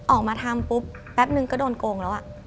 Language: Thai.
ออกมาทำปุ๊บแป๊บนึงก็โดนโกงแล้ว